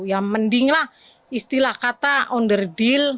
ya mendinglah istilah kata under deal